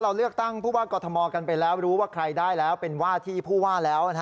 เราเลือกตั้งผู้ว่ากอทมกันไปแล้วรู้ว่าใครได้แล้วเป็นว่าที่ผู้ว่าแล้ว